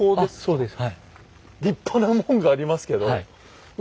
そうです。